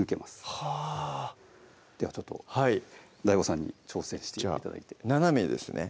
はぁではちょっとＤＡＩＧＯさんに挑戦して頂いて斜めですね